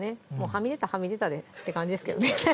はみ出たらはみ出たでって感じですけどね